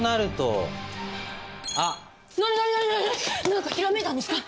何かひらめいたんですか？